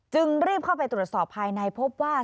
รีบเข้าไปตรวจสอบภายในพบว่า